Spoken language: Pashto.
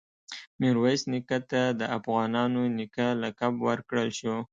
میرویس نیکه ته د “افغانانو نیکه” لقب ورکړل شو.